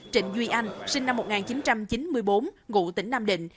trịnh duy anh sinh năm một nghìn chín trăm chín mươi bốn ngụ tỉnh nam định